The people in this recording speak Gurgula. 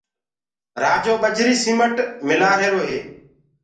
رآجو ريتي سيمٽ ملوآهيرو هي